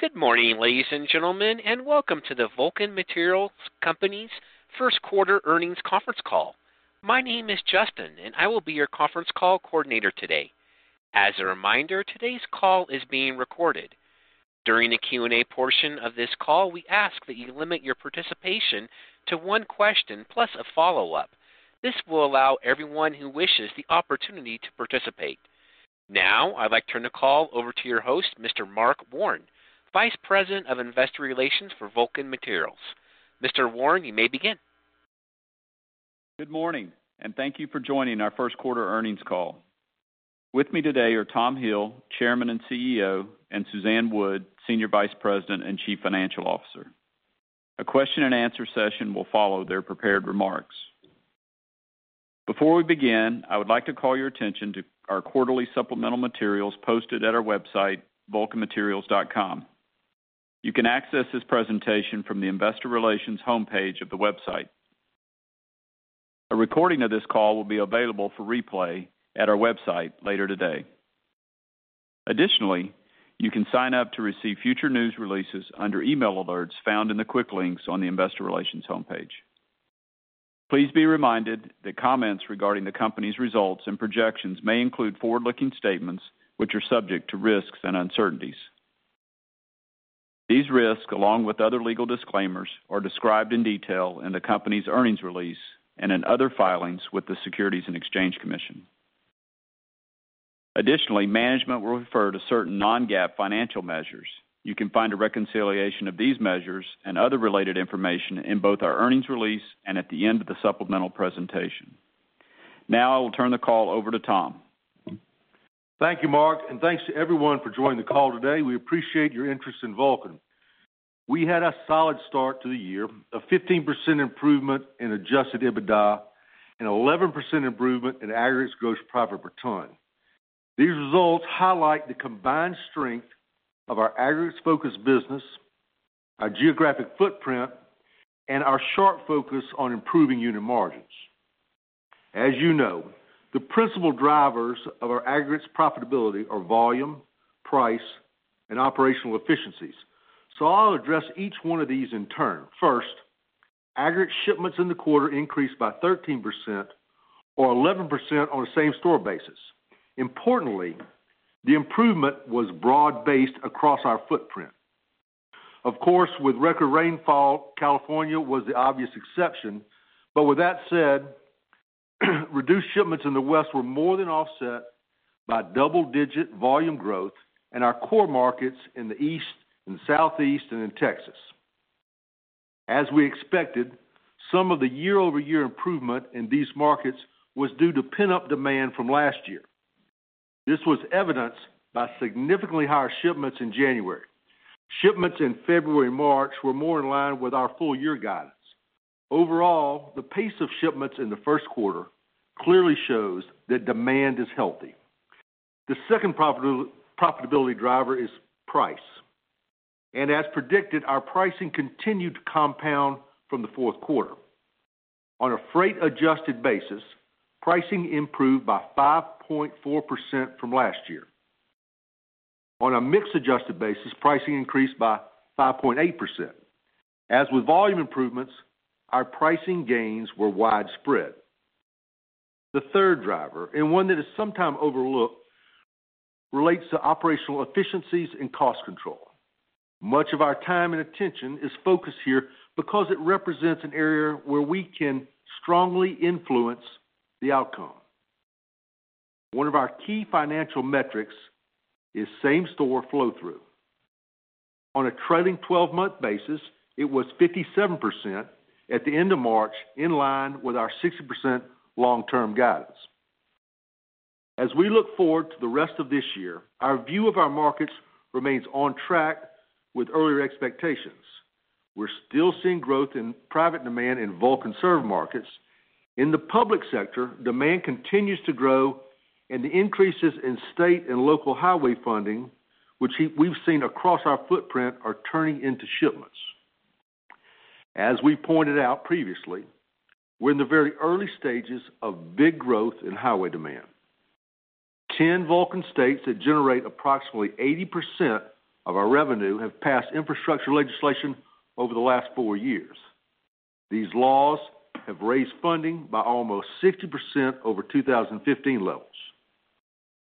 Good morning, ladies and gentlemen, welcome to the Vulcan Materials Company's first quarter earnings conference call. My name is Justin, I will be your conference call coordinator today. As a reminder, today's call is being recorded. During the Q&A portion of this call, we ask that you limit your participation to one question plus a follow-up. This will allow everyone who wishes the opportunity to participate. I'd like to turn the call over to your host, Mr. Mark Warren, Vice President of Investor Relations for Vulcan Materials. Mr. Warren, you may begin. Good morning, thank you for joining our first quarter earnings call. With me today are Tom Hill, Chairman and CEO, and Suzanne Wood, Senior Vice President and Chief Financial Officer. A question and answer session will follow their prepared remarks. Before we begin, I would like to call your attention to our quarterly supplemental materials posted at our website, vulcanmaterials.com. You can access this presentation from the Investor Relations homepage of the website. A recording of this call will be available for replay at our website later today. You can sign up to receive future news releases under email alerts found in the quick links on the Investor Relations homepage. Please be reminded that comments regarding the company's results and projections may include forward-looking statements, which are subject to risks and uncertainties. These risks, along with other legal disclaimers, are described in detail in the company's earnings release and in other filings with the Securities and Exchange Commission. Management will refer to certain non-GAAP financial measures. You can find a reconciliation of these measures and other related information in both our earnings release and at the end of the supplemental presentation. I will turn the call over to Tom. Thank you, Mark, thanks to everyone for joining the call today. We appreciate your interest in Vulcan. We had a solid start to the year. 15% improvement in adjusted EBITDA and 11% improvement in aggregates gross profit per ton. These results highlight the combined strength of our aggregates-focused business, our geographic footprint, and our sharp focus on improving unit margins. As you know, the principal drivers of our aggregates profitability are volume, price, and operational efficiencies. I'll address each one of these in turn. First, aggregate shipments in the quarter increased by 13%, or 11% on a same-store basis. The improvement was broad-based across our footprint. Of course, with record rainfall, California was the obvious exception. With that said, reduced shipments in the West were more than offset by double-digit volume growth in our core markets in the East and Southeast and in Texas. As we expected, some of the year-over-year improvement in these markets was due to pent-up demand from last year. This was evidenced by significantly higher shipments in January. Shipments in February and March were more in line with our full-year guidance. Overall, the pace of shipments in the first quarter clearly shows that demand is healthy. The second profitability driver is price. As predicted, our pricing continued to compound from the fourth quarter. On a freight-adjusted basis, pricing improved by 5.4% from last year. On a mix-adjusted basis, pricing increased by 5.8%. As with volume improvements, our pricing gains were widespread. The third driver, and one that is sometimes overlooked, relates to operational efficiencies and cost control. Much of our time and attention is focused here because it represents an area where we can strongly influence the outcome. One of our key financial metrics is same-store flow-through. On a trailing 12-month basis, it was 57% at the end of March, in line with our 60% long-term guidance. As we look forward to the rest of this year, our view of our markets remains on track with earlier expectations. We're still seeing growth in private demand in Vulcan served markets. In the public sector, demand continues to grow, and the increases in state and local highway funding, which we've seen across our footprint, are turning into shipments. As we pointed out previously, we're in the very early stages of big growth in highway demand. 10 Vulcan states that generate approximately 80% of our revenue have passed infrastructure legislation over the last 4 years. These laws have raised funding by almost 60% over 2015 levels.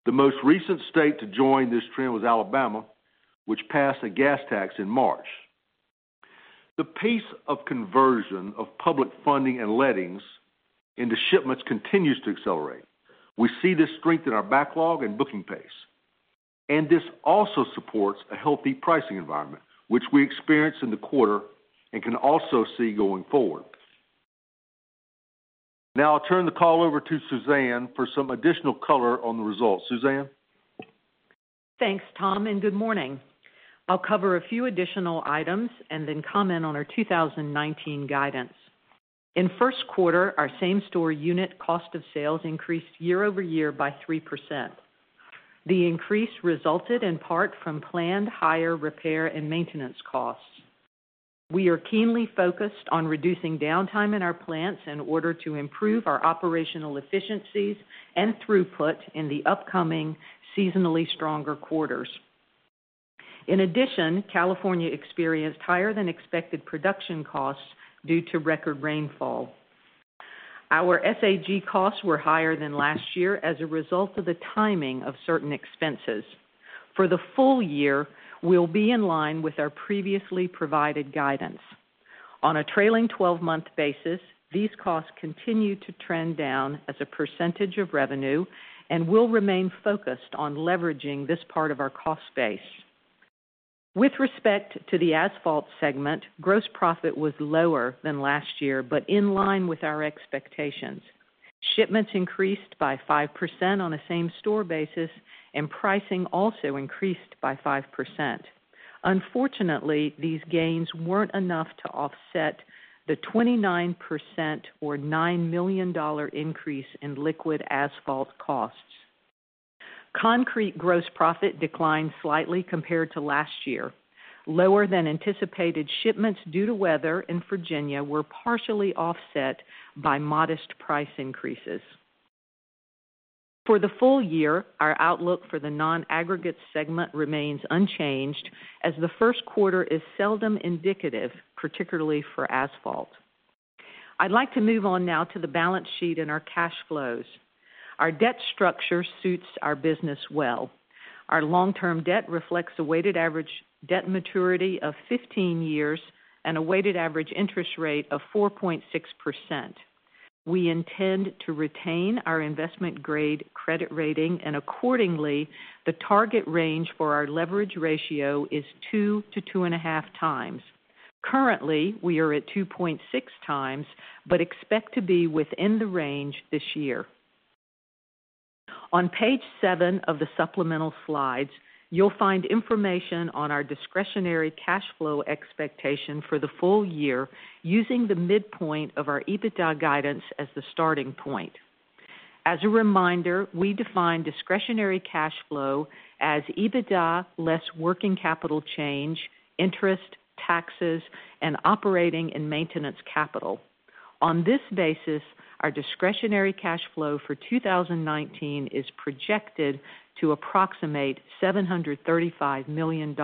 The most recent state to join this trend was Alabama, which passed a gas tax in March. The pace of conversion of public funding and lettings into shipments continues to accelerate. We see this strength in our backlog and booking pace. This also supports a healthy pricing environment, which we experienced in the quarter and can also see going forward. Now, I'll turn the call over to Suzanne for some additional color on the results. Suzanne? Thanks, Tom, and good morning. I'll cover a few additional items and then comment on our 2019 guidance. In first quarter, our same-store unit cost of sales increased year-over-year by 3%. The increase resulted in part from planned higher repair and maintenance costs. We are keenly focused on reducing downtime in our plants in order to improve our operational efficiencies and throughput in the upcoming seasonally stronger quarters. In addition, California experienced higher than expected production costs due to record rainfall. Our SAG costs were higher than last year as a result of the timing of certain expenses. For the full year, we'll be in line with our previously provided guidance. On a trailing 12-month basis, these costs continue to trend down as a percentage of revenue and will remain focused on leveraging this part of our cost base. With respect to the asphalt segment, gross profit was lower than last year but in line with our expectations. Shipments increased by 5% on a same-store basis, and pricing also increased by 5%. Unfortunately, these gains weren't enough to offset the 29% or $9 million increase in liquid asphalt costs. Concrete gross profit declined slightly compared to last year. Lower than anticipated shipments due to weather in Virginia were partially offset by modest price increases. For the full year, our outlook for the non-aggregate segment remains unchanged, as the first quarter is seldom indicative, particularly for asphalt. I'd like to move on now to the balance sheet and our cash flows. Our debt structure suits our business well. Our long-term debt reflects a weighted average debt maturity of 15 years and a weighted average interest rate of 4.6%. We intend to retain our investment-grade credit rating, and accordingly, the target range for our leverage ratio is 2 to 2.5 times. Currently, we are at 2.6 times, but expect to be within the range this year. On page seven of the supplemental slides, you'll find information on our discretionary cash flow expectation for the full year using the midpoint of our EBITDA guidance as the starting point. As a reminder, we define discretionary cash flow as EBITDA less working capital change, interest, taxes, and operating and maintenance capital. On this basis, our discretionary cash flow for 2019 is projected to approximate $735 million.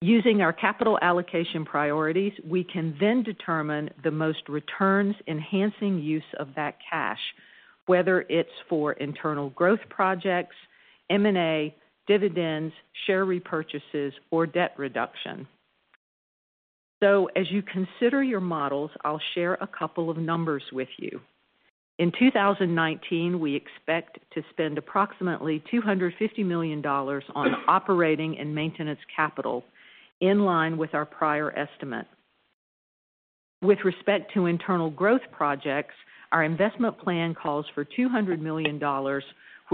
Using our capital allocation priorities, we can then determine the most returns-enhancing use of that cash, whether it's for internal growth projects, M&A, dividends, share repurchases, or debt reduction. As you consider your models, I'll share a couple of numbers with you. In 2019, we expect to spend approximately $250 million on operating and maintenance capital, in line with our prior estimate. With respect to internal growth projects, our investment plan calls for $200 million,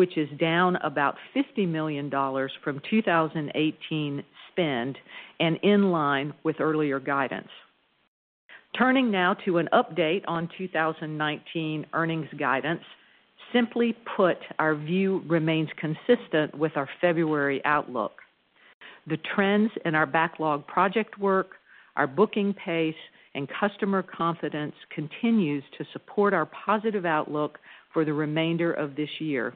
which is down about $50 million from 2018 spend and in line with earlier guidance. Turning now to an update on 2019 earnings guidance. Simply put, our view remains consistent with our February outlook. The trends in our backlog project work, our booking pace, and customer confidence continues to support our positive outlook for the remainder of this year.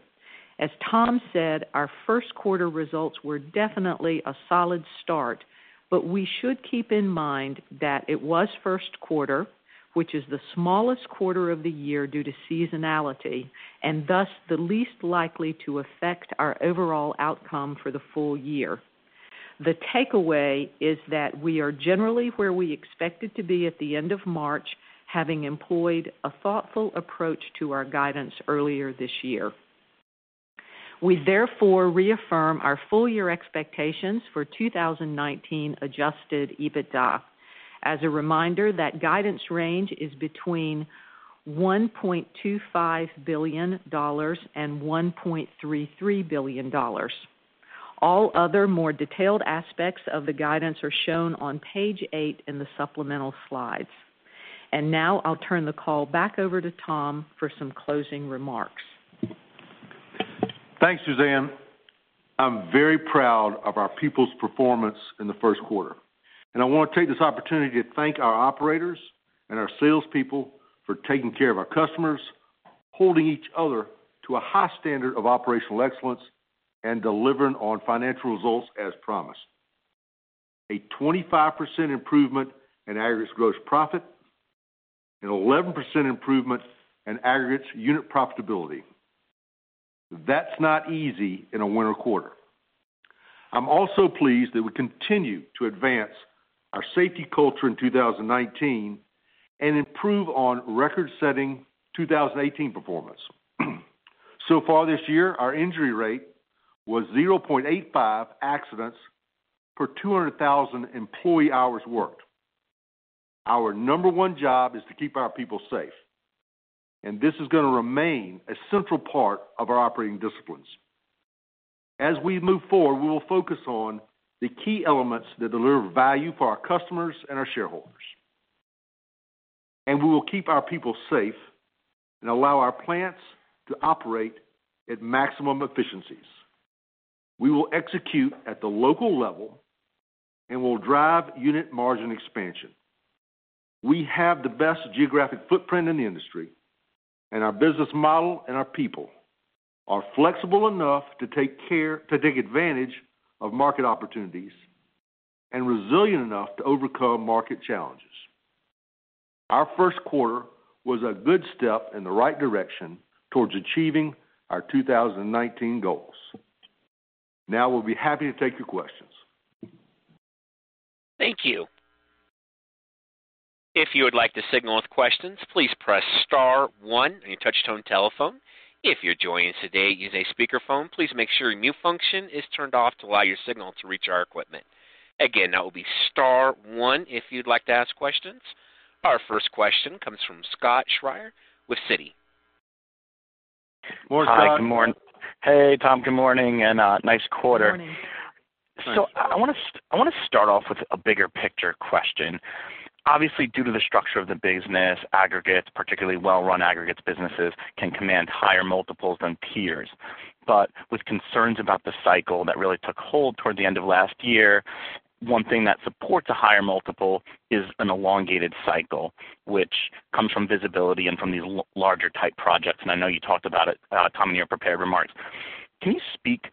As Tom said, our first quarter results were definitely a solid start, but we should keep in mind that it was first quarter, which is the smallest quarter of the year due to seasonality, and thus the least likely to affect our overall outcome for the full year. The takeaway is that we are generally where we expected to be at the end of March, having employed a thoughtful approach to our guidance earlier this year. We therefore reaffirm our full year expectations for 2019 adjusted EBITDA. As a reminder, that guidance range is between $1.25 billion and $1.33 billion. All other more detailed aspects of the guidance are shown on page eight in the supplemental slides. Now I'll turn the call back over to Tom for some closing remarks. Thanks, Suzanne. I'm very proud of our people's performance in the first quarter. I want to take this opportunity to thank our operators and our salespeople for taking care of our customers, holding each other to a high standard of operational excellence, and delivering on financial results as promised. A 25% improvement in aggregates gross profit, an 11% improvement in aggregates unit profitability. That's not easy in a winter quarter. I'm also pleased that we continue to advance our safety culture in 2019 and improve on record-setting 2018 performance. So far this year, our injury rate was 0.85 accidents per 200,000 employee hours worked. Our number one job is to keep our people safe, and this is going to remain a central part of our operating disciplines. As we move forward, we will focus on the key elements that deliver value for our customers and our shareholders. We will keep our people safe and allow our plants to operate at maximum efficiencies. We will execute at the local level, and we'll drive unit margin expansion. We have the best geographic footprint in the industry, and our business model and our people are flexible enough to take advantage of market opportunities and resilient enough to overcome market challenges. Our first quarter was a good step in the right direction towards achieving our 2019 goals. Now we'll be happy to take your questions. Thank you. If you would like to signal with questions, please press star one on your touch-tone telephone. If you're joining us today using a speakerphone, please make sure your mute function is turned off to allow your signal to reach our equipment. Again, that will be star one if you'd like to ask questions. Our first question comes from Scott Schrier with Citi. Morning, Scott. Hey, Tom, good morning, nice quarter. Good morning. Thanks. I want to start off with a bigger picture question. Obviously, due to the structure of the business, aggregates, particularly well-run aggregates businesses, can command higher multiples than peers. With concerns about the cycle that really took hold toward the end of last year, one thing that supports a higher multiple is an elongated cycle, which comes from visibility and from these larger type projects, I know you talked about it, Tom, in your prepared remarks. Can you speak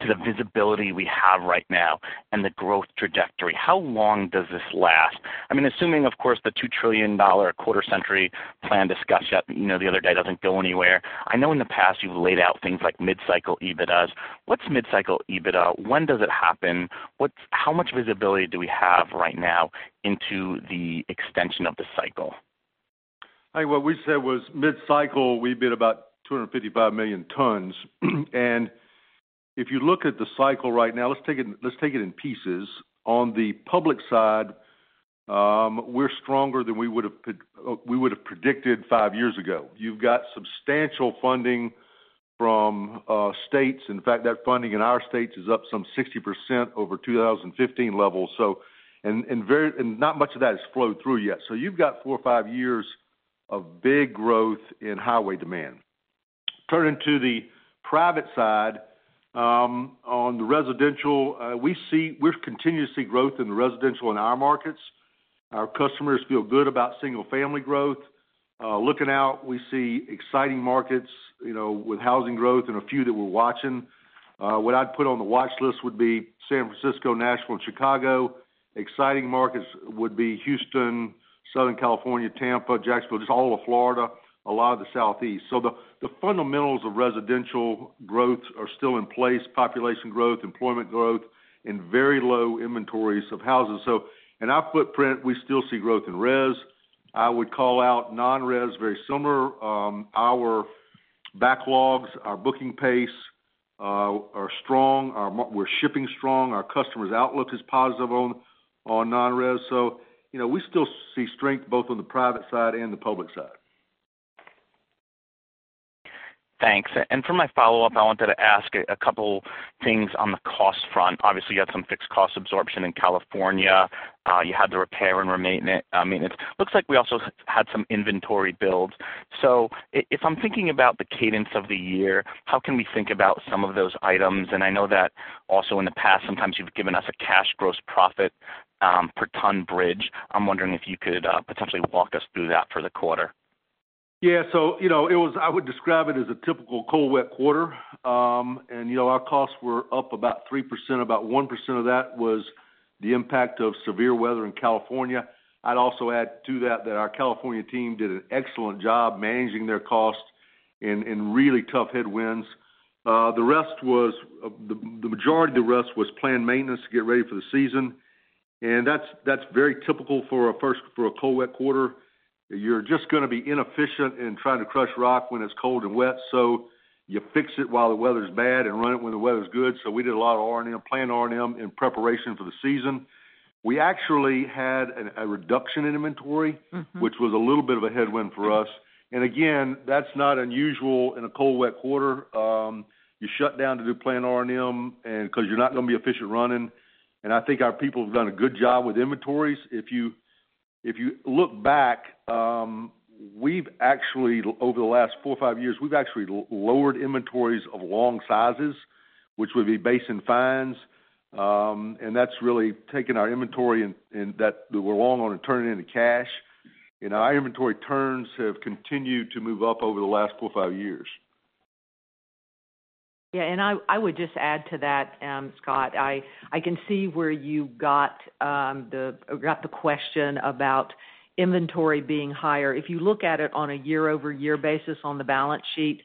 to the visibility we have right now and the growth trajectory? How long does this last? Assuming, of course, the $2 trillion quarter-century plan discussed the other day doesn't go anywhere. I know in the past you've laid out things like mid-cycle EBITDAs. What's mid-cycle EBITDA? When does it happen? How much visibility do we have right now into the extension of the cycle? What we said was mid-cycle, we bid about 255 million tons. If you look at the cycle right now, let's take it in pieces. On the public side, we're stronger than we would've predicted five years ago. You've got substantial funding from states. In fact, that funding in our states is up some 60% over 2015 levels, not much of that has flowed through yet. You've got four or five years of big growth in highway demand. Turning to the private side, on the residential, we continue to see growth in the residential in our markets. Our customers feel good about single-family growth. Looking out, we see exciting markets with housing growth and a few that we're watching. What I'd put on the watch list would be San Francisco, Nashville, and Chicago. Exciting markets would be Houston, Southern California, Tampa, Jacksonville, just all of Florida, a lot of the Southeast. The fundamentals of residential growth are still in place, population growth, employment growth, and very low inventories of houses. In our footprint, we still see growth in res. I would call out non-res, very similar. Our backlogs, our booking pace are strong. We're shipping strong. Our customers' outlook is positive on non-res. We still see strength both on the private side and the public side. Thanks. For my follow-up, I wanted to ask a couple things on the cost front. Obviously, you had some fixed cost absorption in California. You had the repair and maintenance. Looks like we also had some inventory builds. If I'm thinking about the cadence of the year, how can we think about some of those items? I know that also in the past, sometimes you've given us a cash gross profit per ton bridge. I'm wondering if you could potentially walk us through that for the quarter. I would describe it as a typical cold, wet quarter. Our costs were up about 3%. About 1% of that was the impact of severe weather in California. I'd also add to that our California team did an excellent job managing their costs in really tough headwinds. The majority of the rest was planned R&M to get ready for the season, and that's very typical for a cold, wet quarter. You're just going to be inefficient in trying to crush rock when it's cold and wet. You fix it while the weather's bad and run it when the weather's good. We did a lot of planned R&M in preparation for the season. We actually had a reduction in inventory- which was a little bit of a headwind for us. Again, that's not unusual in a cold, wet quarter. You shut down to do planned R&M because you're not going to be efficient running. I think our people have done a good job with inventories. If you look back, over the last four or five years, we've actually lowered inventories of long sizes, which would be base and fines. That's really taken our inventory that we're long on and turning it into cash. Our inventory turns have continued to move up over the last four or five years. Yeah, I would just add to that, Scott. I can see where you got the question about inventory being higher. If you look at it on a year-over-year basis on the balance sheet,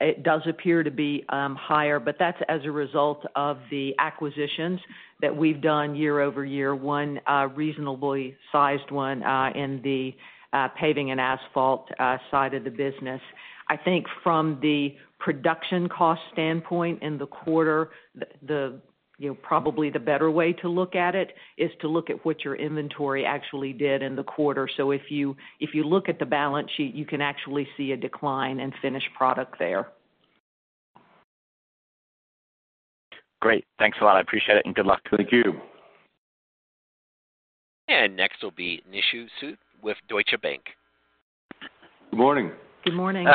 it does appear to be higher, but that's as a result of the acquisitions that we've done year-over-year, one reasonably sized one in the paving and asphalt side of the business. I think from the production cost standpoint in the quarter, probably the better way to look at it is to look at what your inventory actually did in the quarter. If you look at the balance sheet, you can actually see a decline in finished product there. Great. Thanks a lot. I appreciate it, and good luck. Thank you. Next will be Nishu Sood with Deutsche Bank. Good morning. Good morning.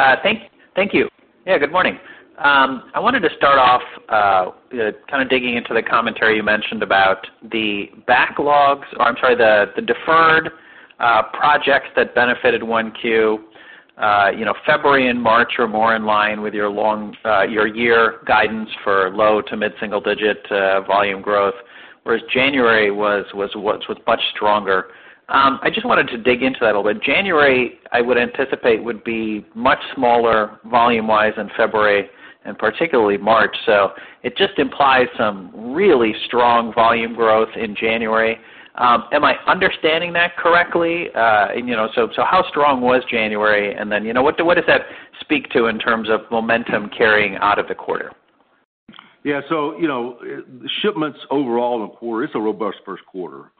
Thank you. Good morning. I wanted to start off, kind of digging into the commentary you mentioned about the deferred projects that benefited 1Q. February and March are more in line with your year guidance for low to mid-single-digit volume growth, whereas January was much stronger. I just wanted to dig into that a little bit. January, I would anticipate, would be much smaller volume-wise than February, and particularly March. It just implies some really strong volume growth in January. Am I understanding that correctly? How strong was January, and then, what does that speak to in terms of momentum carrying out of the quarter? The shipments overall in the quarter, it's a robust first quarter.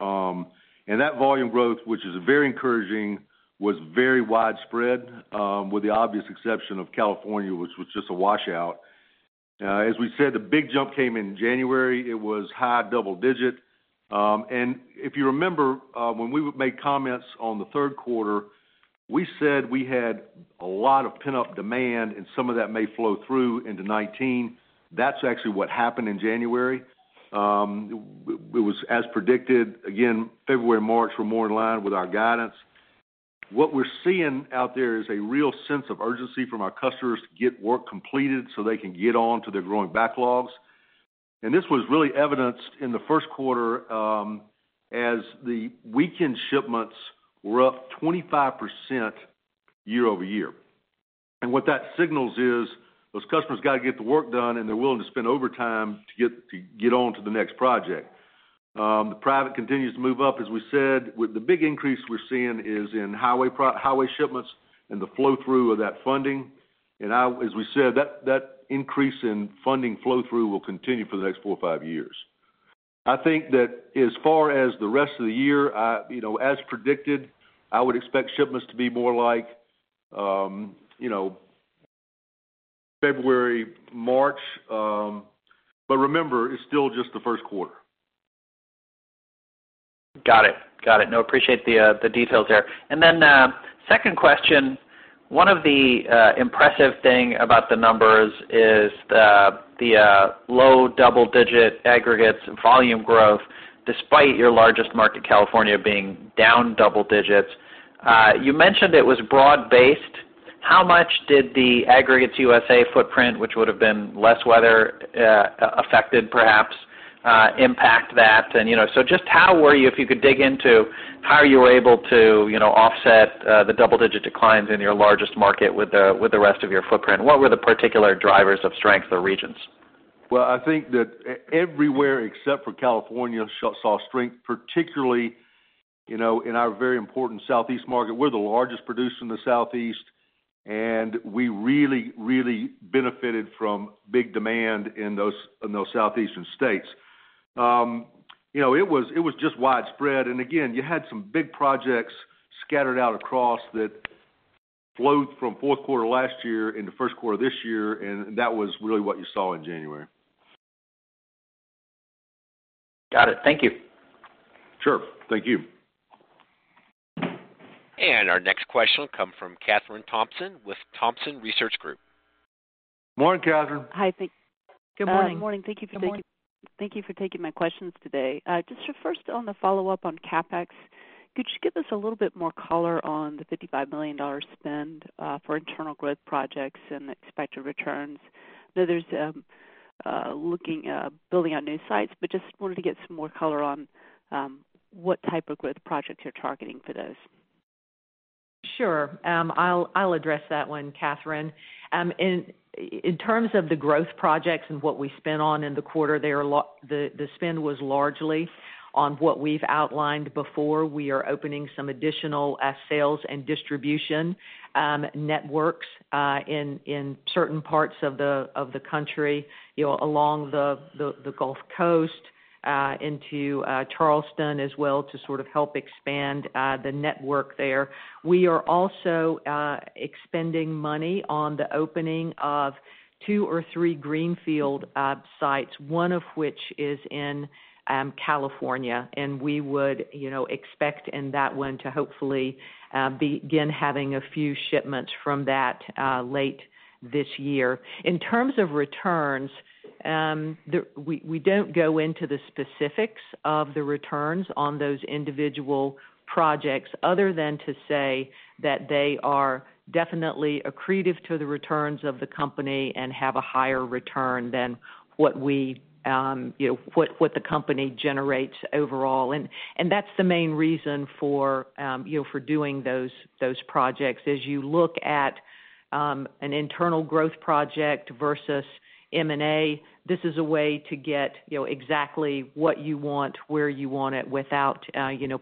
That volume growth, which is very encouraging, was very widespread, with the obvious exception of California, which was just a washout. As we said, the big jump came in January. It was high double-digit. If you remember, when we made comments on the third quarter, we said we had a lot of pent-up demand and some of that may flow through into 2019. That's actually what happened in January. It was as predicted. Again, February and March were more in line with our guidance. What we're seeing out there is a real sense of urgency from our customers to get work completed so they can get on to their growing backlogs. This was really evidenced in the first quarter, as the weekend shipments were up 25% year-over-year. What that signals is, those customers got to get the work done, and they're willing to spend overtime to get on to the next project. The private continues to move up, as we said. The big increase we're seeing is in highway shipments and the flow-through of that funding. As we said, that increase in funding flow-through will continue for the next four or five years. I think that as far as the rest of the year, as predicted, I would expect shipments to be more like February, March. Remember, it's still just the first quarter. Got it. No, appreciate the details there. Second question, one of the impressive thing about the numbers is the low double-digit aggregates volume growth, despite your largest market, California, being down double digits. You mentioned it was broad based. How much did the Aggregates USA footprint, which would've been less weather affected, perhaps, impact that? If you could dig into how you were able to offset the double-digit declines in your largest market with the rest of your footprint. What were the particular drivers of strength or regions? I think that everywhere except for California saw strength, particularly in our very important Southeast market. We're the largest producer in the Southeast, and we really benefited from big demand in those Southeastern states. It was just widespread. Again, you had some big projects scattered out across that flowed from fourth quarter last year into first quarter this year, and that was really what you saw in January. Got it. Thank you. Sure. Thank you. Our next question will come from Kathryn Thompson with Thompson Research Group. Morning, Kathryn. Hi. Good morning. Morning. Thank you for taking my questions today. Just first on the follow-up on CapEx, could you give us a little bit more color on the $55 million spend for internal growth projects and expected returns? I know there's building out new sites, but just wanted to get some more color on what type of growth projects you're targeting for those. Sure. I'll address that one, Kathryn. In terms of the growth projects and what we spent on in the quarter, the spend was largely on what we've outlined before. We are opening some additional sales and distribution networks in certain parts of the country, along the Gulf Coast into Charleston as well, to sort of help expand the network there. We are also expending money on the opening of two or three greenfield sites, one of which is in California. We would expect in that one to hopefully begin having a few shipments from that late this year. In terms of returns, we don't go into the specifics of the returns on those individual projects other than to say that they are definitely accretive to the returns of the company and have a higher return than what the company generates overall. That's the main reason for doing those projects. As you look at an internal growth project versus M&A, this is a way to get exactly what you want, where you want it without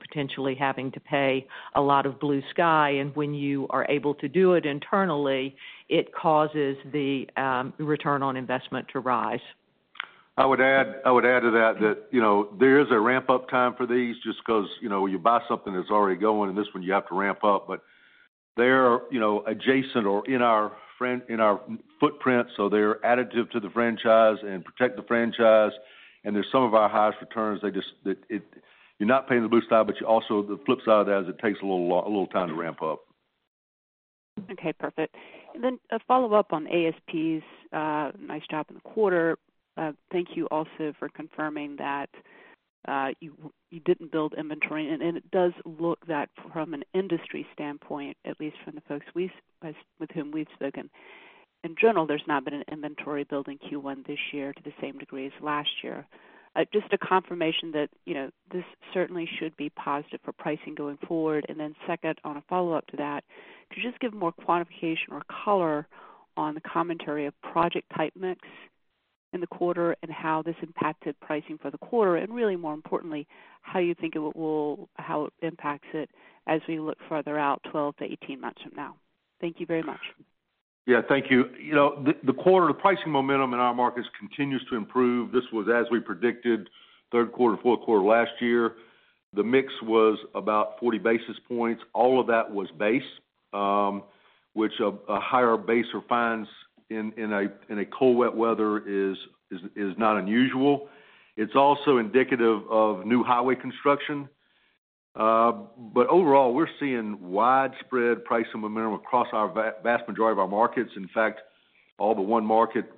potentially having to pay a lot of blue sky. When you are able to do it internally, it causes the return on investment to rise. I would add to that there is a ramp-up time for these, just because when you buy something that's already going, and this one you have to ramp up, but they're adjacent or in our footprint, so they're additive to the franchise and protect the franchise, and they're some of our highest returns. You're not paying the boost out, also the flip side of that is it takes a little time to ramp up. A follow-up on ASPs. Nice job in the quarter. Thank you also for confirming that you didn't build inventory. It does look that from an industry standpoint, at least from the folks with whom we've spoken, in general, there's not been an inventory build in Q1 this year to the same degree as last year. Just a confirmation that this certainly should be positive for pricing going forward. Second, on a follow-up to that, could you just give more quantification or color on the commentary of project type mix in the quarter and how this impacted pricing for the quarter, and really more importantly, how you think it impacts it as we look further out 12 to 18 months from now? Thank you very much. Thank you. The quarter-to-pricing momentum in our markets continues to improve. This was as we predicted, third quarter, fourth quarter last year. The mix was about 40 basis points. All of that was base, which a higher base refines in a cold, wet weather is not unusual. It's also indicative of new highway construction. Overall, we're seeing widespread pricing momentum across a vast majority of our markets. In fact, all but one market.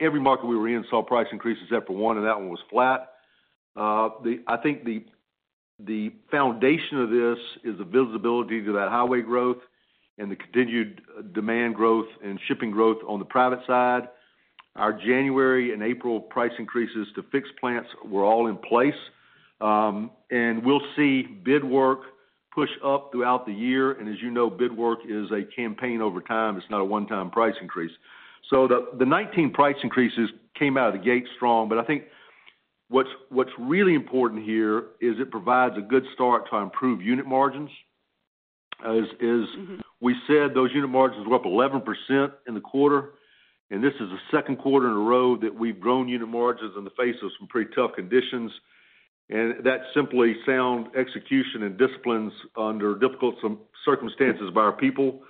Every market we were in saw price increases except for one, and that one was flat. I think the foundation of this is the visibility to that highway growth and the continued demand growth and shipping growth on the private side. Our January and April price increases to fixed plants were all in place. We'll see bid work push up throughout the year, and as you know, bid work is a campaign over time. It's not a one-time price increase. The 2019 price increases came out of the gate strong, but I think what's really important here is it provides a good start to improve unit margins. As we said, those unit margins were up 11% in the quarter, and this is the second quarter in a row that we've grown unit margins in the face of some pretty tough conditions. That's simply sound execution and disciplines under difficult circumstances by our people.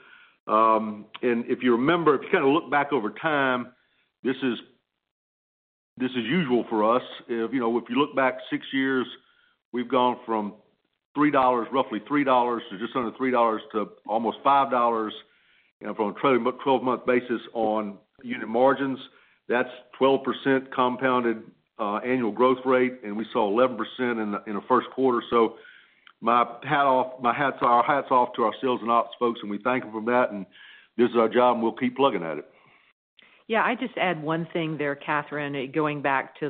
If you remember, if you look back over time, this is usual for us. If you look back six years, we've gone from roughly $3 to just under $3 to almost $5. From a 12-month basis on unit margins, that's 12% compounded annual growth rate, and we saw 11% in the first quarter. Our hats off to our sales and ops folks, and we thank them for that, and this is our job, and we'll keep plugging at it. Yeah, I'd just add one thing there, Kathryn, going back to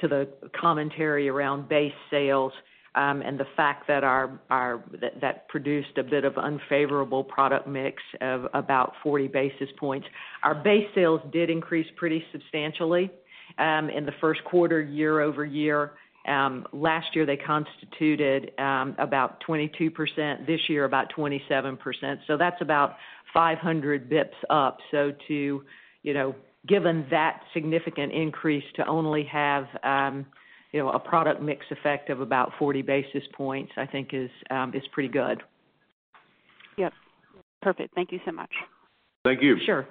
the commentary around base sales and the fact that produced a bit of unfavorable product mix of about 40 basis points. Our base sales did increase pretty substantially in the first quarter, year-over-year. Last year, they constituted about 22%, this year about 27%. That's about 500 basis points up. Given that significant increase to only have a product mix effect of about 40 basis points, I think is pretty good. Yep. Perfect. Thank you so much. Thank you. Sure.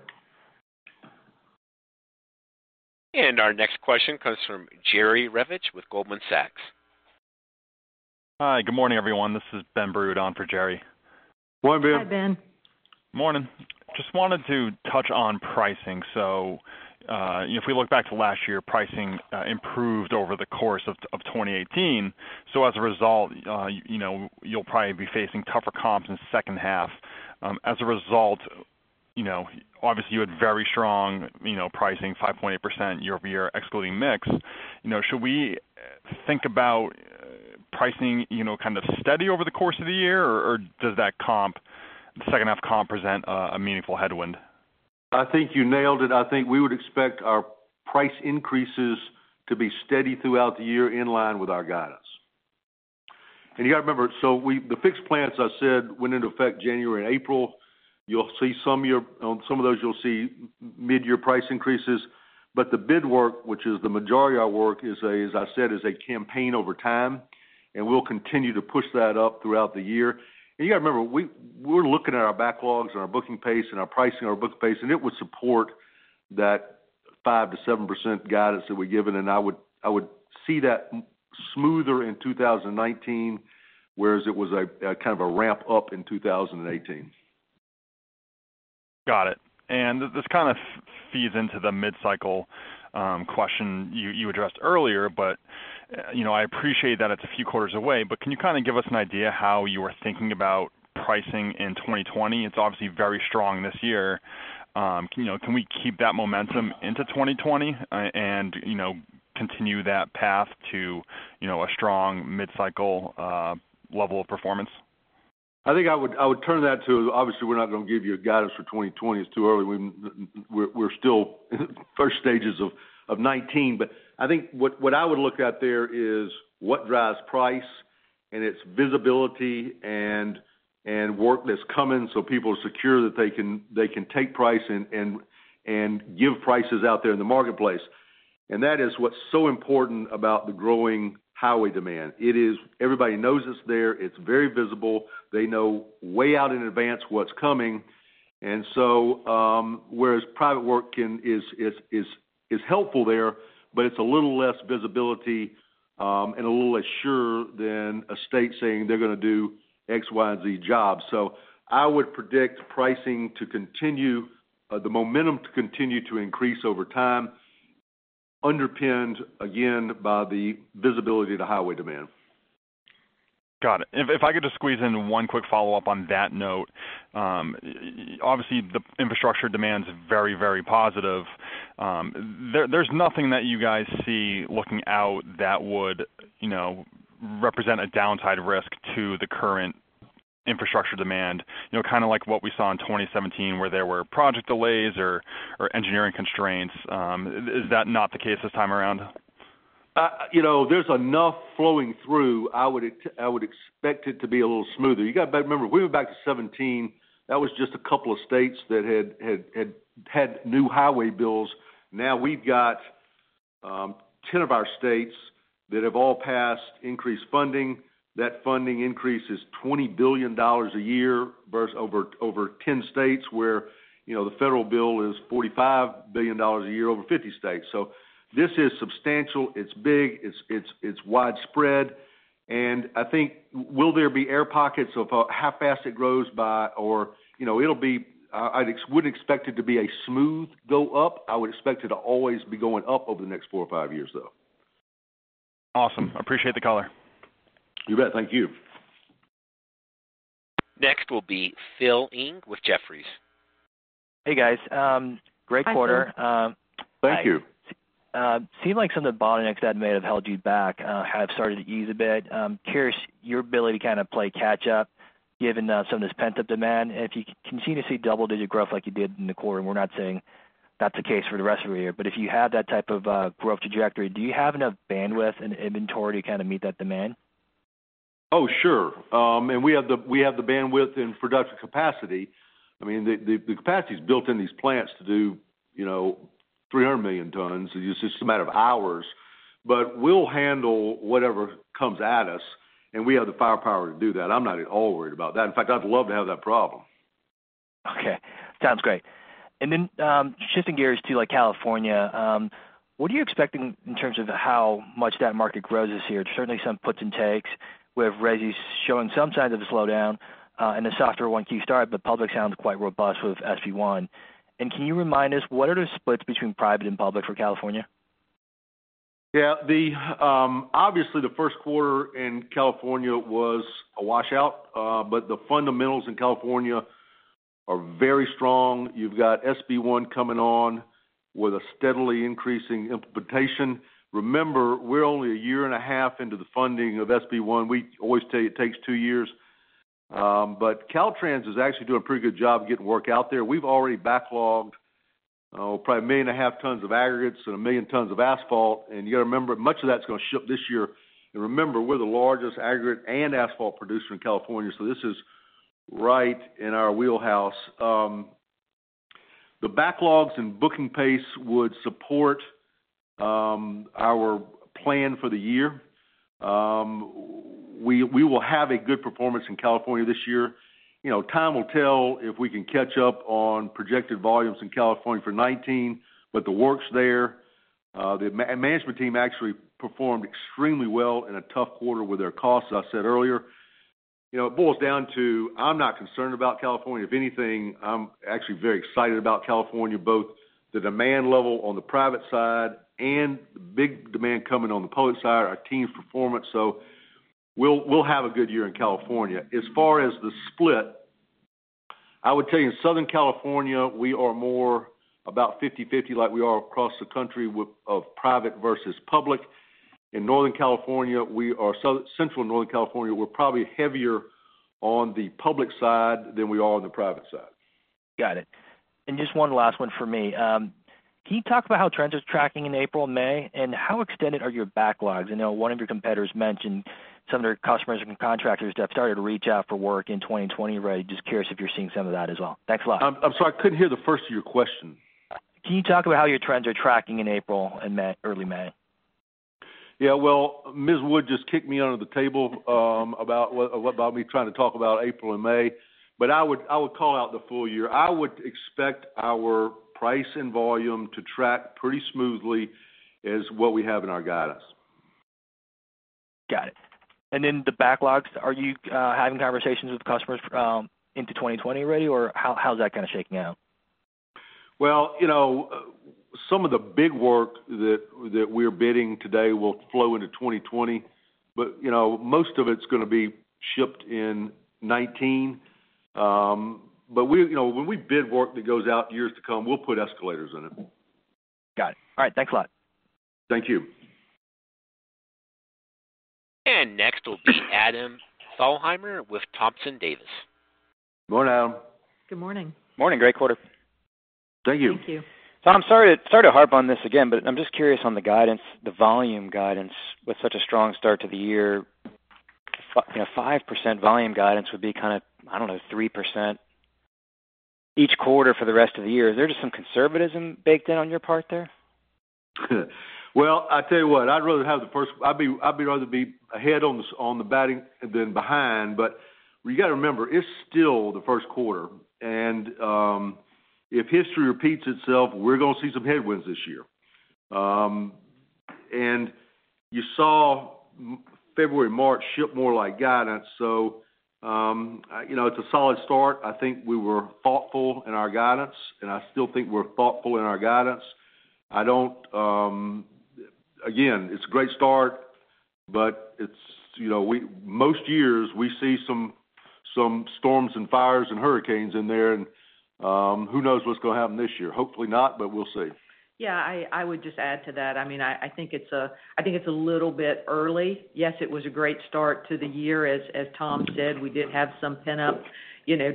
Our next question comes from Jerry Revich with Goldman Sachs. Hi, good morning, everyone. This is Ben Brode on for Jerry. Morning, Ben. Hi, Ben. Morning. Just wanted to touch on pricing. If we look back to last year, pricing improved over the course of 2018. As a result, you'll probably be facing tougher comps in the second half. Obviously you had very strong pricing, 5.8% year-over-year excluding mix. Should we think about pricing kind of steady over the course of the year, or does that second half comp present a meaningful headwind? I think you nailed it. I think we would expect our price increases to be steady throughout the year in line with our guidance. You got to remember, so the fixed plans, as I said, went into effect January and April. On some of those you'll see mid-year price increases. The bid work, which is the majority of our work, as I said, is a campaign over time, and we'll continue to push that up throughout the year. You got to remember, we're looking at our backlogs and our booking pace and our pricing, our book pace, and it would support that 5%-7% guidance that we've given, and I would see that smoother in 2019, whereas it was a kind of a ramp up in 2018. Got it. This kind of feeds into the mid-cycle question you addressed earlier, but I appreciate that it's a few quarters away, but can you kind of give us an idea how you are thinking about pricing in 2020? It's obviously very strong this year. Can we keep that momentum into 2020 and continue that path to a strong mid-cycle level of performance? I think I would turn that. Obviously, we're not going to give you a guidance for 2020. It's too early. We're still first stages of 2019. I think what I would look at there is what drives price and its visibility and work that's coming so people are secure that they can take price and give prices out there in the marketplace. That is what's so important about the growing highway demand. Everybody knows it's there. It's very visible. They know way out in advance what's coming. Whereas private work is helpful there, it's a little less visibility, and a little less sure than a state saying they're going to do X, Y, and Z jobs. I would predict pricing to continue, the momentum to continue to increase over time, underpinned, again, by the visibility of the highway demand. Got it. If I could just squeeze in one quick follow-up on that note. Obviously, the infrastructure demand's very positive. There's nothing that you guys see looking out that would represent a downside risk to the current infrastructure demand, kind of like what we saw in 2017 where there were project delays or engineering constraints. Is that not the case this time around? There's enough flowing through, I would expect it to be a little smoother. You've got to remember, we went back to 2017, that was just a couple of states that had new highway bills. Now we've got 10 of our states that have all passed increased funding. That funding increase is $20 billion a year versus over 10 states where the federal bill is $45 billion a year over 50 states. This is substantial. It's big, it's widespread. I think, will there be air pockets of how fast it grows by? I wouldn't expect it to be a smooth go up. I would expect it to always be going up over the next four or five years, though. Awesome. Appreciate the color. You bet. Thank you. Next will be Philip Ng with Jefferies. Hey, guys. Great quarter. Thank you. It seems like some of the bottlenecks that may have held you back have started to ease a bit. I'm curious, your ability to play catch up given some of this pent-up demand, and if you continue to see double-digit growth like you did in the quarter, and we're not saying that's the case for the rest of the year, but if you have that type of growth trajectory, do you have enough bandwidth and inventory to meet that demand? Oh, sure. We have the bandwidth and production capacity. The capacity is built in these plants to do 300 million tons. It's just a matter of hours, but we'll handle whatever comes at us, and we have the firepower to do that. I'm not at all worried about that. In fact, I'd love to have that problem. Okay. Sounds great. Then, shifting gears to California, what are you expecting in terms of how much that market grows this year? Certainly some puts and takes with Resi showing some signs of a slowdown, and a softer one, Q1 but public sounds quite robust with SB 1. Can you remind us, what are the splits between private and public for California? Yeah. Obviously, the first quarter in California was a washout. The fundamentals in California are very strong. You've got SB 1 coming on with a steadily increasing implementation. Remember, we're only a year and a half into the funding of SB 1. We always tell you it takes two years. Caltrans is actually doing a pretty good job getting work out there. We've already backlogged probably 1.5 million tons of aggregates and 1 million tons of asphalt, you got to remember, much of that's going to ship this year. Remember, we're the largest aggregate and asphalt producer in California, so this is right in our wheelhouse. The backlogs and booking pace would support our plan for the year. We will have a good performance in California this year. Time will tell if we can catch up on projected volumes in California for 2019, the work's there. The management team actually performed extremely well in a tough quarter with their costs, as I said earlier. It boils down to, I'm not concerned about California. If anything, I'm actually very excited about California, both the demand level on the private side and the big demand coming on the public side, our team's performance. We'll have a good year in California. As far as the split, I would tell you in Southern California, we are more about 50/50 like we are across the country of private versus public. In Northern California, Central and Northern California, we're probably heavier on the public side than we are on the private side. Got it. Just one last one for me. Can you talk about how trends are tracking in April and May, and how extended are your backlogs? I know one of your competitors mentioned some of their customers and contractors have started to reach out for work in 2020 already. Just curious if you're seeing some of that as well. Thanks a lot. I'm sorry, I couldn't hear the first of your question. Can you talk about how your trends are tracking in April and early May? Yeah. Well, Ms. Wood just kicked me under the table, about me trying to talk about April and May. I would call out the full year. I would expect our price and volume to track pretty smoothly as what we have in our guidance. Got it. The backlogs, are you having conversations with customers into 2020 already, or how's that shaking out? Some of the big work that we're bidding today will flow into 2020. Most of it's going to be shipped in 2019. When we bid work that goes out years to come, we'll put escalators in it. Got it. All right. Thanks a lot. Thank you. Next will be Adam Thalhimer with Thompson Davis. Good morning, Adam. Good morning. Morning. Great quarter. Thank you. Thank you. Tom, sorry to harp on this again, but I'm just curious on the guidance, the volume guidance. With such a strong start to the year, 5% volume guidance would be kind of, I don't know, 3% Each quarter for the rest of the year. Is there just some conservatism baked in on your part there? Well, I tell you what, I'd rather be ahead on the batting than behind, but you got to remember, it's still the first quarter. If history repeats itself, we're going to see some headwinds this year. You saw February, March ship more like guidance, so it's a solid start. I think we were thoughtful in our guidance, and I still think we're thoughtful in our guidance. Again, it's a great start, but most years we see some storms and fires and hurricanes in there, and who knows what's going to happen this year. Hopefully not, but we'll see. Yes, I would just add to that. I think it's a little bit early. Yes, it was a great start to the year, as Tom said. We did have some pent-up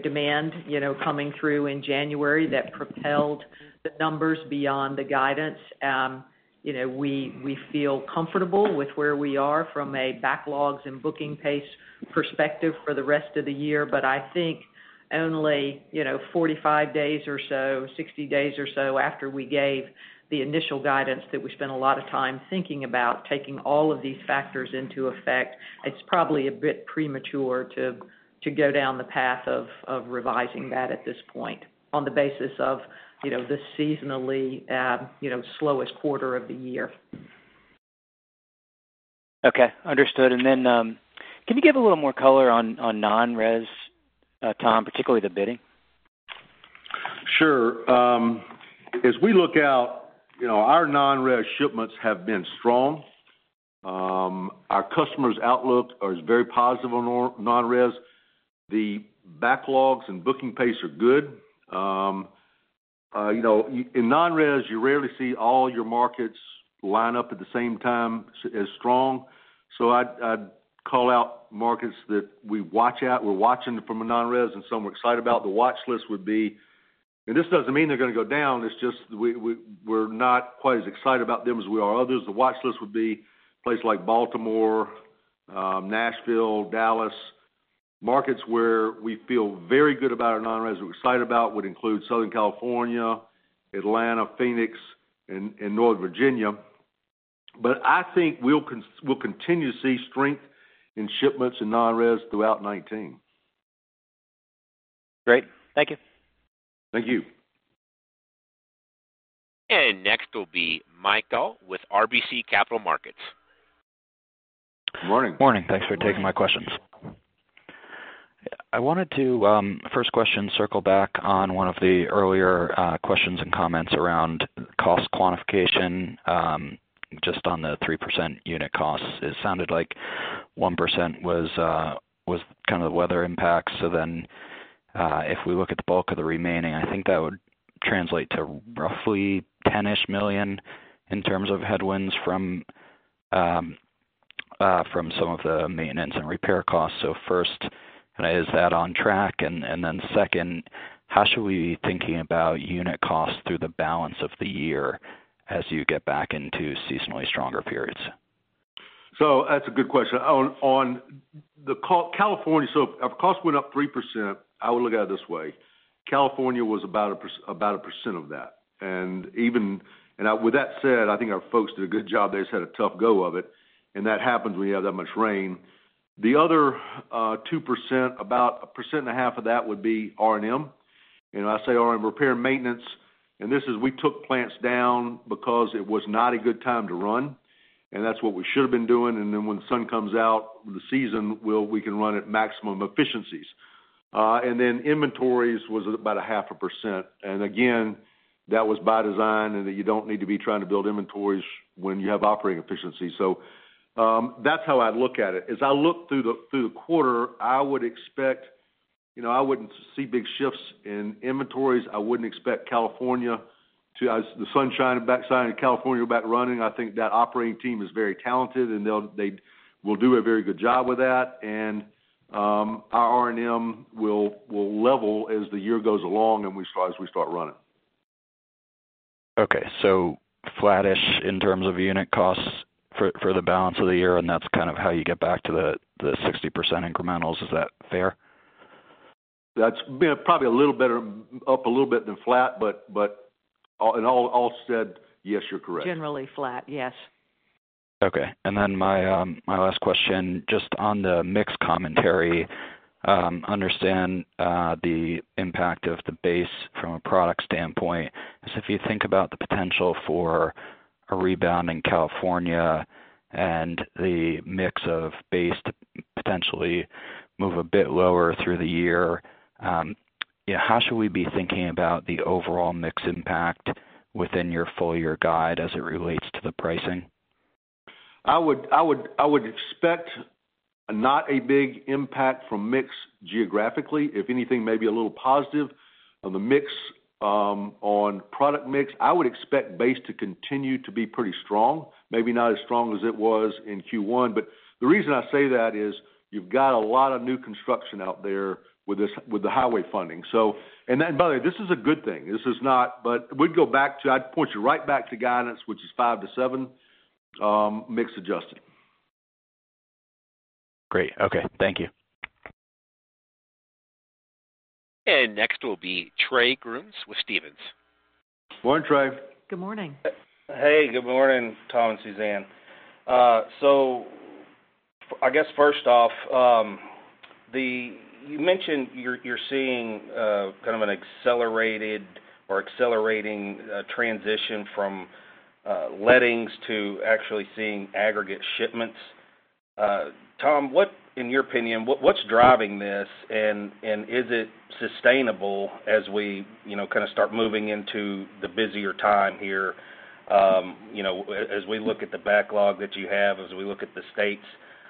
demand coming through in January that propelled the numbers beyond the guidance. We feel comfortable with where we are from a backlogs and booking pace perspective for the rest of the year. I think only 45 days or so, 60 days or so after we gave the initial guidance that we spent a lot of time thinking about taking all of these factors into effect. It's probably a bit premature to go down the path of revising that at this point on the basis of the seasonally slowest quarter of the year. Okay, understood. Then can you give a little more color on non-res, Tom, particularly the bidding? Sure. As we look out, our non-res shipments have been strong. Our customers' outlook is very positive on non-res. The backlogs and booking pace are good. In non-res, you rarely see all your markets line up at the same time as strong. I'd call out markets that we watch out. We're watching from a non-res, and some we're excited about. This doesn't mean they're going to go down, it's just we're not quite as excited about them as we are others. The watch list would be places like Baltimore, Nashville, Dallas. Markets where we feel very good about our non-res, we're excited about, would include Southern California, Atlanta, Phoenix, and Northern Virginia. I think we'll continue to see strength in shipments and non-res throughout 2019. Great. Thank you. Thank you. Next will be Michael with RBC Capital Markets. Morning. Morning. Thanks for taking my questions. I wanted to first question circle back on one of the earlier questions and comments around cost quantification, just on the 3% unit cost. It sounded like 1% was kind of the weather impact. If we look at the bulk of the remaining, I think that would translate to roughly 10-ish million in terms of headwinds from some of the maintenance and repair costs. First, is that on track? Second, how should we be thinking about unit costs through the balance of the year as you get back into seasonally stronger periods? That's a good question. Our cost went up 3%. I would look at it this way. California was about 1% of that. With that said, I think our folks did a good job. They just had a tough go of it, and that happens when you have that much rain. The other 2%, about 1.5% of that would be R&M, and I say R&M, repair and maintenance. This is, we took plants down because it was not a good time to run, and that's what we should have been doing. When the sun comes out, the season, we can run at maximum efficiencies. Inventories was about 0.5%. Again, that was by design, in that you don't need to be trying to build inventories when you have operating efficiency. That's how I'd look at it. As I look through the quarter, I wouldn't see big shifts in inventories. I wouldn't expect California, as the sun is shining in California, back running. I think that operating team is very talented, and they will do a very good job with that. Our R&M will level as the year goes along and as we start running. Okay. Flattish in terms of unit costs for the balance of the year. That's kind of how you get back to the 60% incrementals. Is that fair? That's probably up a little bit than flat. All said, yes, you're correct. Generally flat. Yes. Okay. Then my last question, just on the mix commentary. Understand the impact of the base from a product standpoint. If you think about the potential for a rebound in California and the mix of base to potentially move a bit lower through the year, how should we be thinking about the overall mix impact within your full-year guide as it relates to the pricing? I would expect not a big impact from mix geographically. If anything, maybe a little positive on the mix. On product mix, I would expect base to continue to be pretty strong. Maybe not as strong as it was in Q1. The reason I say that is you've got a lot of new construction out there with the highway funding. By the way, this is a good thing. I'd point you right back to guidance, which is 5%-7%, mix adjusted. Great. Okay. Thank you. Next will be Trey Grooms with Stephens. Morning, Trey. Good morning. Hey, good morning, Tom and Suzanne. I guess first off, you mentioned you're seeing kind of an accelerated or accelerating transition from lettings to actually seeing aggregate shipments. Tom, in your opinion, what's driving this, and is it sustainable as we start moving into the busier time here? As we look at the backlog that you have, as we look at the states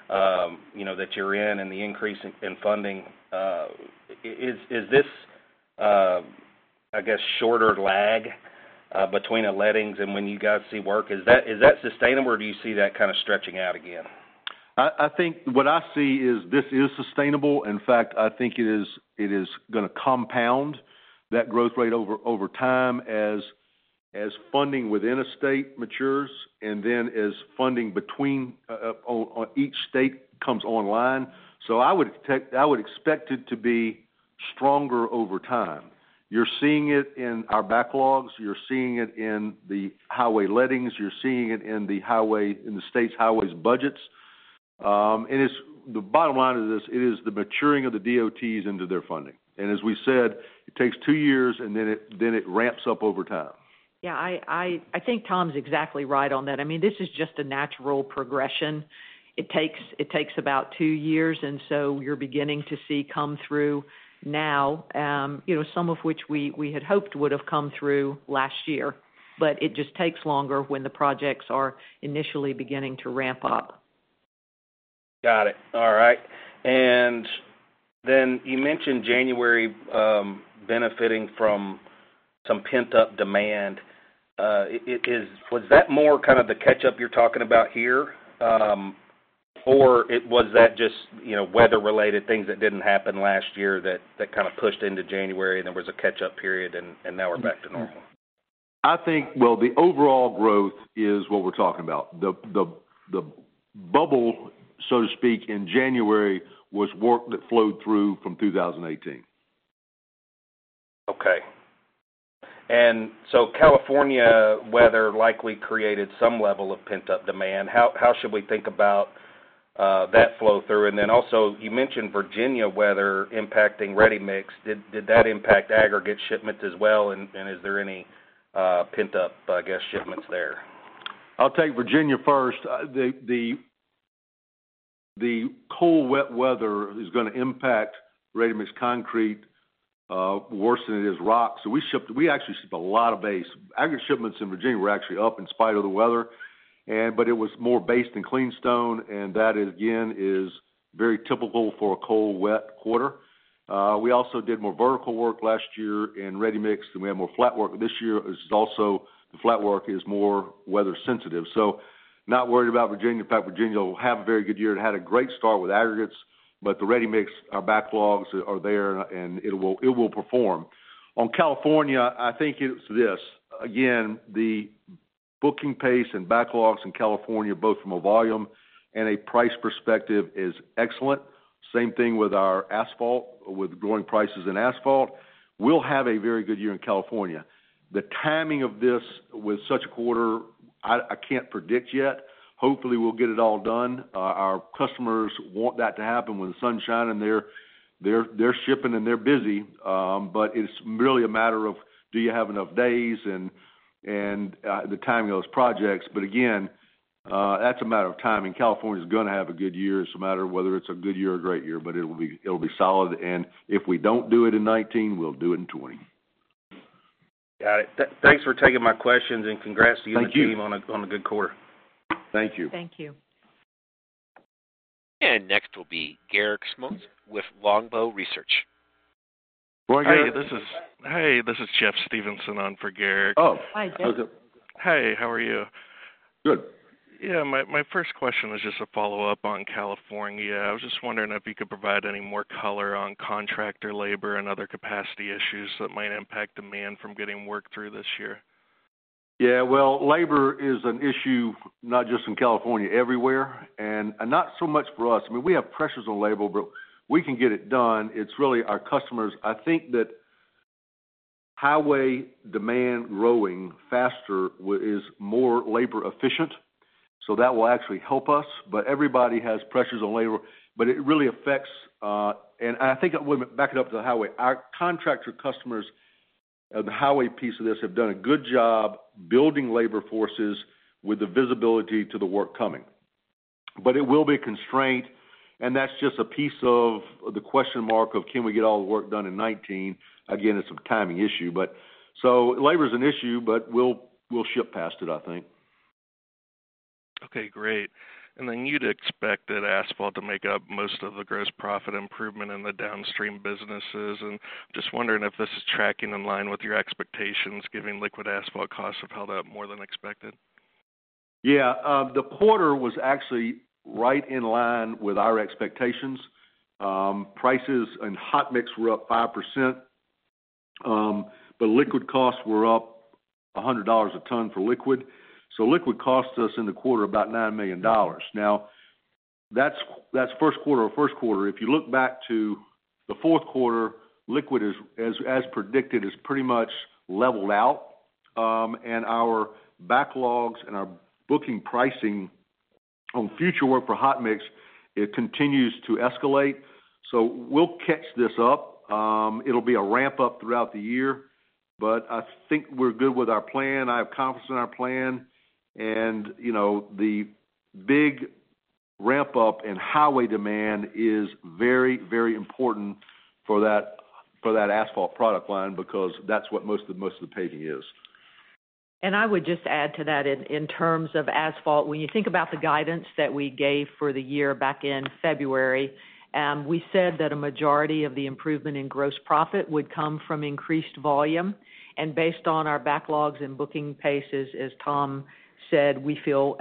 that you're in and the increase in funding, is this, I guess, shorter lag between the lettings and when you guys see work, is that sustainable or do you see that kind of stretching out again? I think what I see is this is sustainable. In fact, I think it is going to compound that growth rate over time as funding within a state matures and then as funding between each state comes online. I would expect it to be stronger over time. You're seeing it in our backlogs. You're seeing it in the highway lettings. You're seeing it in the state's highways budgets. The bottom line of this, it is the maturing of the DOTs into their funding, and as we said, it takes two years and then it ramps up over time. Yeah, I think Tom's exactly right on that. This is just a natural progression. It takes about 2 years, you're beginning to see come through now some of which we had hoped would've come through last year, it just takes longer when the projects are initially beginning to ramp up. Got it. All right. You mentioned January benefiting from some pent-up demand. Was that more kind of the catch-up you're talking about here? Was that just weather-related things that didn't happen last year that kind of pushed into January and there was a catch-up period and now we're back to normal? I think, well, the overall growth is what we're talking about. The bubble, so to speak, in January, was work that flowed through from 2018. Okay. California weather likely created some level of pent-up demand. How should we think about that flow through? Also, you mentioned Virginia weather impacting ready-mix. Did that impact aggregate shipments as well, and is there any pent-up, I guess, shipments there? I will take Virginia first. The cold, wet weather is going to impact ready-mix concrete worse than it is rock. We actually shipped a lot of base. Aggregate shipments in Virginia were actually up in spite of the weather, but it was more based in clean stone. That, again, is very typical for a cold, wet quarter. We also did more vertical work last year in ready-mix than we had more flatwork. This year, the flatwork is more weather sensitive. Not worried about Virginia. In fact, Virginia will have a very good year. It had a great start with aggregates, but the ready-mix backlogs are there. It will perform. On California, I think it is this. Again, the booking pace and backlogs in California, both from a volume and a price perspective, is excellent. Same thing with our asphalt, with growing prices in asphalt. We will have a very good year in California. The timing of this with such a quarter, I cannot predict yet. Hopefully, we will get it all done. Our customers want that to happen when the sun is shining. They are shipping. They are busy. It is really a matter of do you have enough days and the timing of those projects. Again, that is a matter of timing. California is going to have a good year. It is a matter of whether it is a good year or great year, but it will be solid. If we do not do it in 2019, we will do it in 2020. Got it. Thanks for taking my questions. Congrats to you. Thank you. and the team on a good quarter. Thank you. Thank you. Next will be Garik Shmois with Longbow Research. Morning, Garik. Hey, this is Jeffrey Stevenson on for Garik. Oh. Hi, Jeff. Hey, how are you? Good. Yeah. My first question was just a follow-up on California. I was just wondering if you could provide any more color on contractor labor and other capacity issues that might impact demand from getting work through this year. Yeah. Well, labor is an issue, not just in California, everywhere, and not so much for us. We have pressures on labor, we can get it done. It's really our customers. I think that highway demand growing faster is more labor efficient, that will actually help us. Everybody has pressures on labor. Wait, back it up to the highway. Our contractor customers of the highway piece of this have done a good job building labor forces with the visibility to the work coming. It will be a constraint, that's just a piece of the question mark of can we get all the work done in 2019. Again, it's a timing issue. Labor's an issue, we'll ship past it, I think. Okay, great. You'd expect that asphalt to make up most of the gross profit improvement in the downstream businesses, just wondering if this is tracking in line with your expectations, given liquid asphalt costs have held up more than expected. Yeah. The quarter was actually right in line with our expectations. Prices and hot mix were up 5%. Liquid costs were up $100 a ton for liquid. Liquid cost us in the quarter about $9 million. Now, that's first quarter to first quarter. If you look back to the fourth quarter, liquid, as predicted, has pretty much leveled out. Our backlogs and our booking pricing on future work for hot mix, it continues to escalate. We'll catch this up. It'll be a ramp-up throughout the year, I think we're good with our plan. I have confidence in our plan. The big ramp-up in highway demand is very important for that asphalt product line because that's what most of the paving is. I would just add to that in terms of asphalt, when you think about the guidance that we gave for the year back in February, we said that a majority of the improvement in gross profit would come from increased volume. Based on our backlogs and booking paces, as Tom said, we feel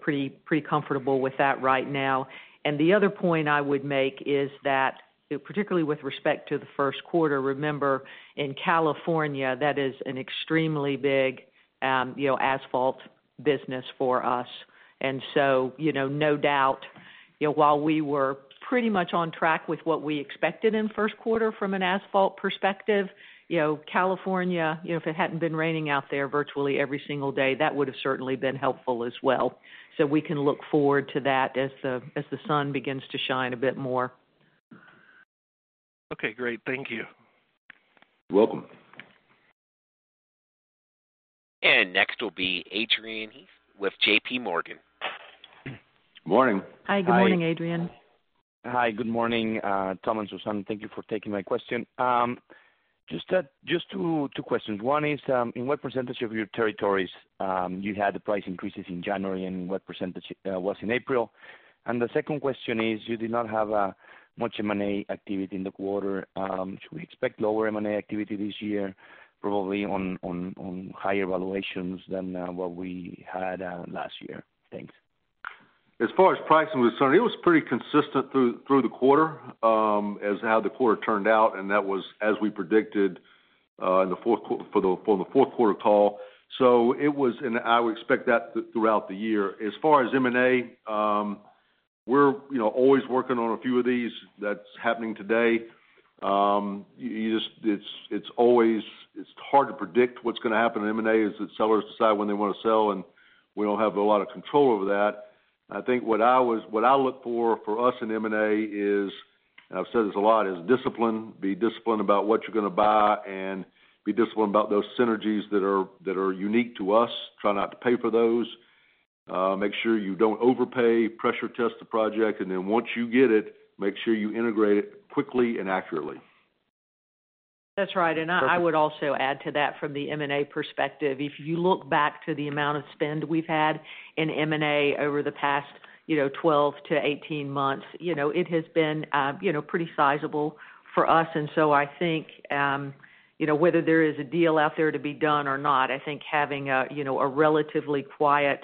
pretty comfortable with that right now. The other point I would make is that, particularly with respect to the first quarter, remember, in California, that is an extremely big asphalt business for us. No doubt, while we were pretty much on track with what we expected in the first quarter from an asphalt perspective, California, if it hadn't been raining out there virtually every single day, that would've certainly been helpful as well. We can look forward to that as the sun begins to shine a bit more. Okay, great. Thank you. You're welcome. Next will be Adrian Huerta with J.P. Morgan. Morning. Hi. Good morning, Adrian. Hi. Good morning, Tom and Suzanne. Thank you for taking my question. Just two questions. One is, in what percentage of your territories you had the price increases in January, and what percentage was in April? The second question is, you did not have much M&A activity in the quarter. Should we expect lower M&A activity this year, probably on higher valuations than what we had last year? Thanks. As far as pricing was concerned, it was pretty consistent through the quarter as how the quarter turned out, and that was as we predicted on the fourth quarter call. I would expect that throughout the year. As far as M&A, we're always working on a few of these. That's happening today. It's hard to predict what's going to happen in M&A, as the sellers decide when they want to sell, and we don't have a lot of control over that. I think what I look for us in M&A is, and I've said this a lot, is discipline. Be disciplined about what you're going to buy, and be disciplined about those synergies that are unique to us. Try not to pay for those. Make sure you don't overpay. Pressure test the project, and then once you get it, make sure you integrate it quickly and accurately. That's right. I would also add to that from the M&A perspective, if you look back to the amount of spend we've had in M&A over the past 12-18 months, it has been pretty sizable for us. So I think, whether there is a deal out there to be done or not, I think having a relatively quiet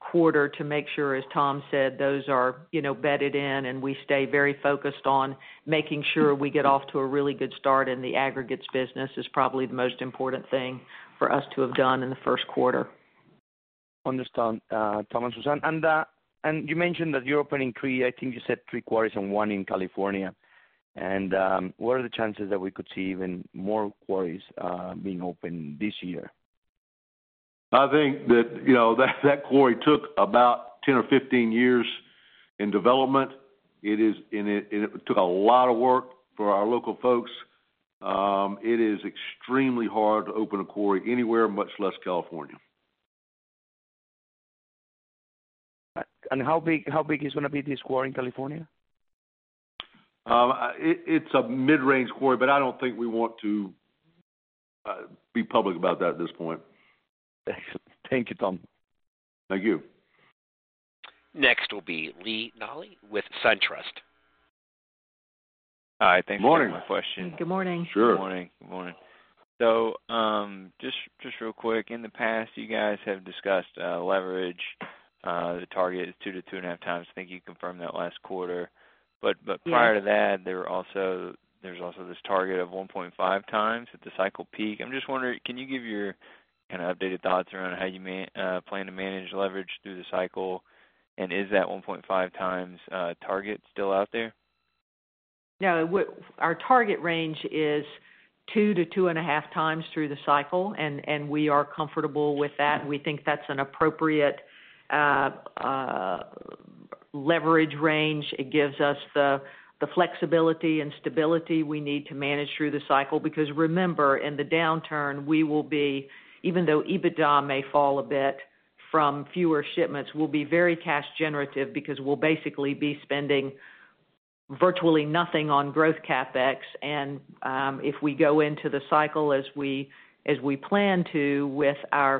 quarter to make sure, as Tom said, those are bedded in, and we stay very focused on making sure we get off to a really good start in the aggregates business is probably the most important thing for us to have done in the first quarter. Understood, Tom and Suzanne. You mentioned that you're opening three quarries and one in California. What are the chances that we could see even more quarries being opened this year? I think that quarry took about 10 or 15 years in development. It took a lot of work for our local folks. It is extremely hard to open a quarry anywhere, much less California. How big is going to be this quarry in California? It's a mid-range quarry, I don't think we want to be public about that at this point. Thank you, Tom. Thank you. Next will be Lee Nolley with SunTrust. Hi. Thanks for taking my question. Morning. Good morning. Sure. Good morning. Just real quick, in the past, you guys have discussed leverage. The target is 2 to 2.5 times. I think you confirmed that last quarter. Prior to that, there was also this target of 1.5 times at the cycle peak. I'm just wondering, can you give your kind of updated thoughts around how you plan to manage leverage through the cycle, and is that 1.5 times target still out there? No. Our target range is 2 to 2.5 times through the cycle, and we are comfortable with that. We think that's an appropriate leverage range. It gives us the flexibility and stability we need to manage through the cycle because remember, in the downturn, even though EBITDA may fall a bit from fewer shipments, we'll be very cash generative because we'll basically be spending virtually nothing on growth CapEx. If we go into the cycle as we plan to with our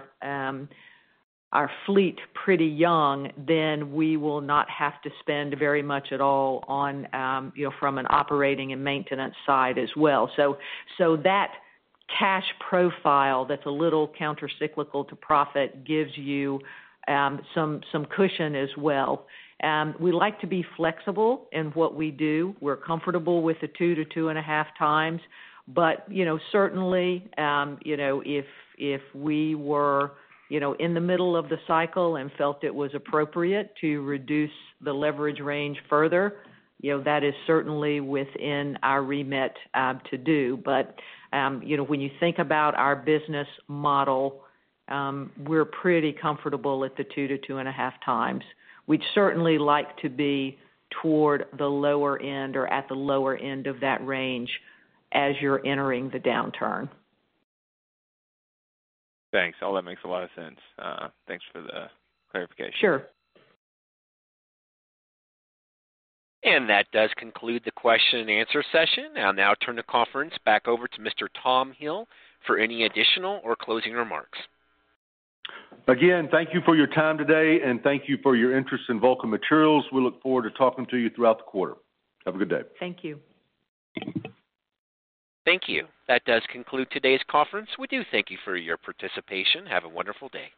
fleet pretty young, we will not have to spend very much at all from an operating and maintenance side as well. That cash profile that's a little countercyclical to profit gives you some cushion as well. We like to be flexible in what we do. We're comfortable with the 2 to 2.5 times. Certainly, if we were in the middle of the cycle and felt it was appropriate to reduce the leverage range further, that is certainly within our remit to do. When you think about our business model, we're pretty comfortable at the 2 to 2.5 times. We'd certainly like to be toward the lower end or at the lower end of that range as you're entering the downturn. Thanks. All that makes a lot of sense. Thanks for the clarification. Sure. That does conclude the question and answer session. I'll now turn the conference back over to Mr. Tom Hill for any additional or closing remarks. Again, thank you for your time today, and thank you for your interest in Vulcan Materials. We look forward to talking to you throughout the quarter. Have a good day. Thank you. Thank you. That does conclude today's conference. We do thank you for your participation. Have a wonderful day.